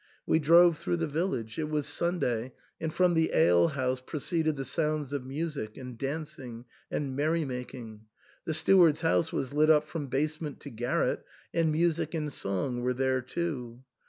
We drove through the village ; it was Sunday, and from the alehouse proceeded the sounds of music, and dancing, and merrymaking ; the steward's house was lit up from basement to garret, and music and ^ong were there too.